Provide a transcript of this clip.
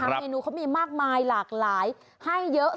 ของโรงแบนูเขามีมากมายหลากหลายให้เยอะ